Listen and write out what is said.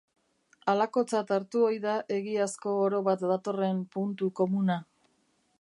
Halakotzat hartu ohi da egiazko oro bat datorren puntu komuna.